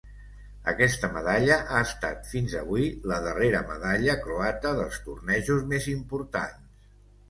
Aquesta medalla ha estat, fins avui, la darrera medalla croata dels tornejos més importants.